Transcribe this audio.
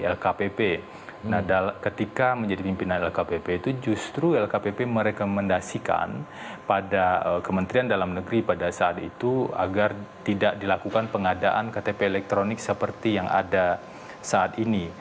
lkpp ketika menjadi pimpinan lkpp itu justru lkpp merekomendasikan pada kementerian dalam negeri pada saat itu agar tidak dilakukan pengadaan ktp elektronik seperti yang ada saat ini